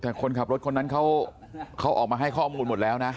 แต่คนขับรถคนนั้นเขาออกมาให้ข้อมูลหมดแล้วนะ